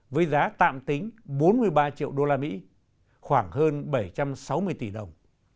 với giá tạm tính bốn mươi ba triệu đô la mỹ khoảng hơn bảy trăm sáu mươi tỷ đồng